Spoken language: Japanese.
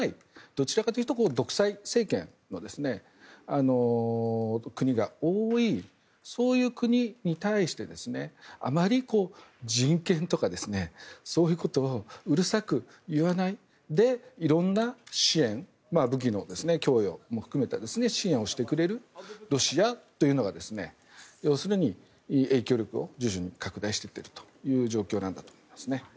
どちらかというと独裁政権の国が多いそういう国に対してあまり人権とかそういうことをうるさく言わないで色んな支援、武器の供与も含めた支援をしてくれるロシアというのが影響力を徐々に拡大していっているという状況だと思いますね。